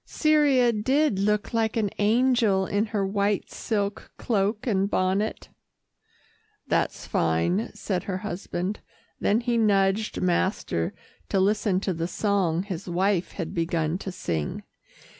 Cyria did look like an angel in her white silk cloak and bonnet." "That's fine," said her husband, then he nudged master to listen to the song his wife had begun to sing.